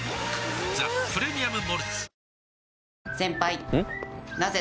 「ザ・プレミアム・モルツ」